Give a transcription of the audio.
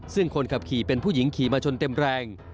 ซึ่งคนขับขี่เป็นผู้หญิงขี่มาชนเต็มแรง